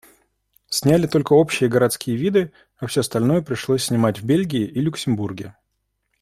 Сняли только общие городские виды, а все остальное пришлось снимать в Бельгии и Люксембурге.